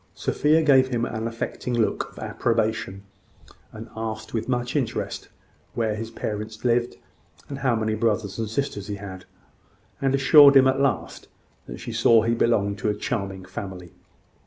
Sophia gave him an affecting look of approbation, and asked with much interest where his parents lived, and how many brothers and sisters he had; and assured him, at last, that she saw he belonged to a charming family.